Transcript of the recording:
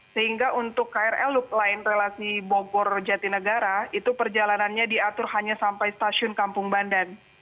sehingga untuk krl loop line relasi bogor jatinegara itu perjalanannya diatur hanya sampai stasiun kampung bandan